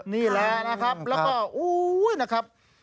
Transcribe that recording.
นี่แหละครับแล้วก็